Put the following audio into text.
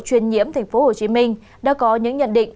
truyền nhiễm tp hcm đã có những nhận định